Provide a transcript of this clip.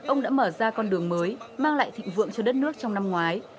ông đã mở ra con đường mới mang lại thịnh vượng cho đất nước trong năm ngoái